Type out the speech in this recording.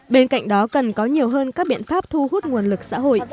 bên cạnh đó cần có nhiều hơn các biện pháp thu hút nguồn lực xã hội